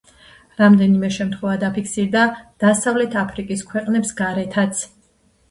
რამდენიმე შემთხვევა დაფიქსირდა დასავლეთ აფრიკის ქვეყნებს გარეთაც.